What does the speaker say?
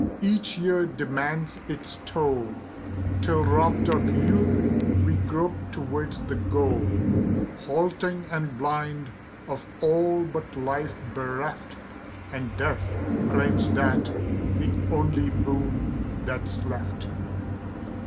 Each year demands its toll, Till robbed of youth, we grope toward the goal, Halting and blind, of all but life bereft, And death claims that the only boon that's left.